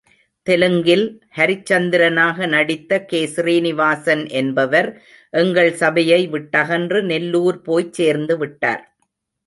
தெலுங்கில் ஹரிச்சந்திரனாக நடித்த கே. ஸ்ரீனிவாசன் என்பவர், எங்கள் சபையை விட்டகன்று நெல்லூர் போய்ச் சேர்ந்து விட்டார்.